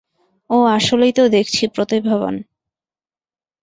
ও আসলেই তো দেখছি প্রতিভাবান।